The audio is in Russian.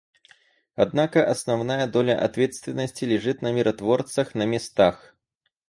Однако основная доля ответственности лежит на миротворцах на местах.